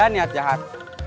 gak ada niat jahat